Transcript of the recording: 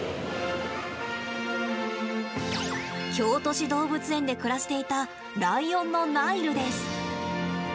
京都市動物園で暮らしていたライオンのナイルです。